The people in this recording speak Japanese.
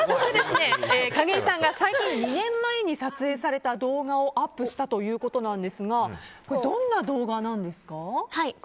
景井さんが最近２年前に撮影された動画をアップしたということなんですがこれはどんな動画なんですか？